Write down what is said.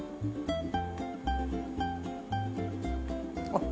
あっ！